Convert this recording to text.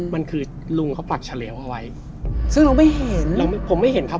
มันคือลุงเขาปักเฉลวเอาไว้ซึ่งเราไม่เห็นเราผมไม่เห็นครับ